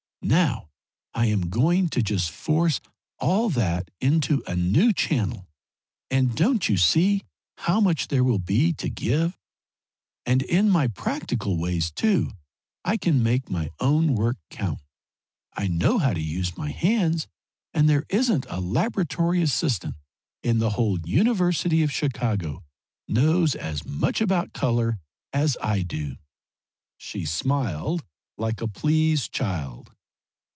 Now I am going to just force all that into a new channel, and don't you see how much there will be to give? And in practical ways too I can make my own work count. I know how to use my hands and there isn't a laboratory assistant in the whole University of Chicago knows as much about colour as I do!" she smiled like a pleased child.